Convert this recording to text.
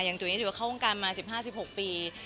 อย่างจุ๋ยนี่ก็เข้าโรงการมา๑๕๑๖ปี